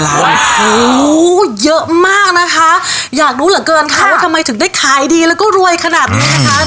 โอ้โหเยอะมากนะคะอยากรู้เหลือเกินค่ะว่าทำไมถึงได้ขายดีแล้วก็รวยขนาดนี้นะคะ